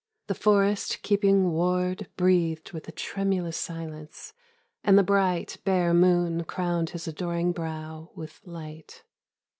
The forest keeping ward Breathed with a tremulous silence, and the bright, Bare moon crowned his adoring brow with light.